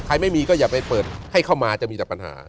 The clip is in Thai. ไม่มีก็อย่าไปเปิดให้เข้ามาจะมีแต่ปัญหา